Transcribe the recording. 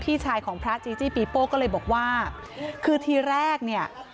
พี่ชายของพระจีจี้ปีโป้ก็เลยบอกว่าคือทีแรกเนี่ย